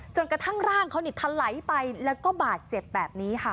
กระทั่งร่างเขาทะไหลไปแล้วก็บาดเจ็บแบบนี้ค่ะ